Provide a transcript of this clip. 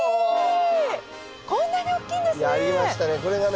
こんなに大きいんですね！